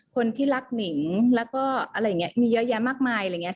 คนที่รักหนิงแล้วก็อะไรอย่างนี้มีเยอะแยะมากมายอะไรอย่างนี้